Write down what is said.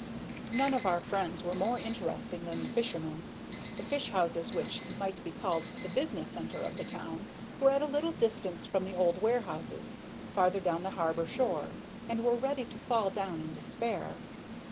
None of our friends were more interesting than the fishermen. The fish houses, which might be called the business centre of the town, were at a little distance from the old warehouses, farther down the harbor shore, and were ready to fall down in despair.